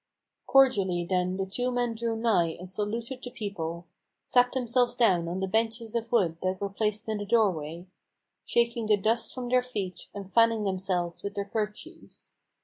Cordially then the two men drew nigh, and saluted the couple; Sat themselves down on the benches of wood that were placed in the doorway, Shaking the dust from their feet, and fanning themselves with their kerchiefs.